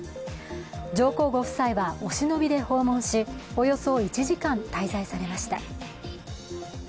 上皇ご夫妻はお忍びで訪問し、およそ１時間滞在されました。